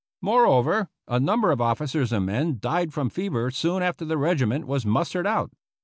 Moreover, a number of officers and men died from fever soon after the regiment was mustered out.